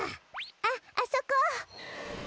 あっあそこ！